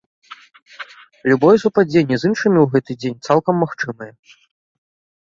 Любое супадзенне з іншымі ў гэты дзень цалкам магчымае.